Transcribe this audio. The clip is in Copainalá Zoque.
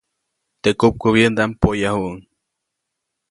Teʼ kupkubyändaʼm poyajuʼuŋ.